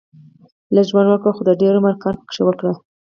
لږ ژوند وګړهٔ خو د دېر عمر کار پکښي وکړهٔ